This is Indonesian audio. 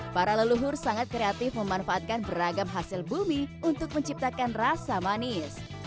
para leluhur sangat kreatif memanfaatkan beragam hasil bumi untuk menciptakan rasa manis